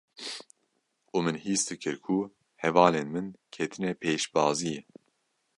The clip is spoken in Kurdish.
û min hîs dikir ku hevalên min ketine pêşbaziyê;